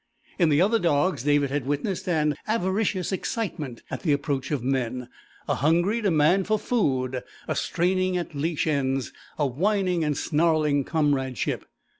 In the other dogs David had witnessed an avaricious excitement at the approach of men, a hungry demand for food, a straining at leash ends, a whining and snarling comradeship.